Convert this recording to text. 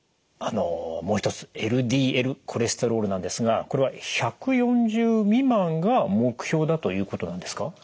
あのもう一つＬＤＬコレステロールなんですがこれは１４０未満が目標だということなんですか？